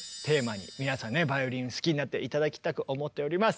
皆さんにねバイオリンを好きになって頂きたく思っております！